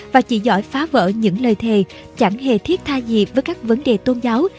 và chỉ giỏi phá vỡ những lời thề chẳng hề thiết tha gì với các vấn đề tôn giáo